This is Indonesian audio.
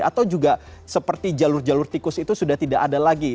atau juga seperti jalur jalur tikus itu sudah tidak ada lagi